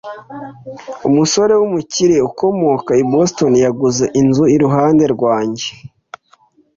Umusore wumukire ukomoka i Boston yaguze inzu iruhande rwanjye.